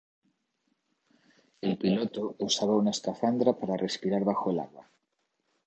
El piloto usaba una escafandra para respirar bajo el agua.